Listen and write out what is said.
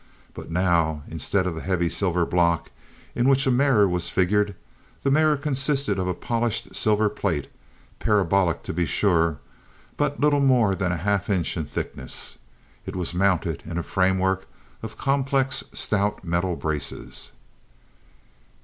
But now, instead of the heavy silver block in which a mirror was figured, the mirror consisted of a polished silver plate, parabolic to be sure, but little more than a half inch in thickness. It was mounted in a framework of complex, stout metal braces.